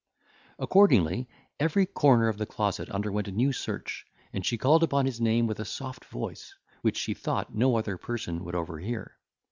Accordingly, every corner of the closet underwent a new search, and she called upon his name with a soft voice, which she thought no other person would overhear.